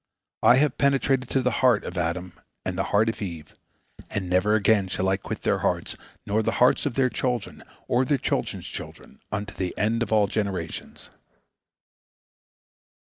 I have penetrated to the heart of Adam and the heart of Eve, and never again shall I quit their hearts, nor the hearts of their children, or their children's children, unto the end of all generations."